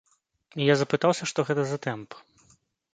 І я запытаўся, што гэта за тэмп.